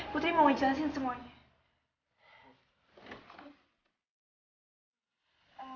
putri mau ngejelasin semuanya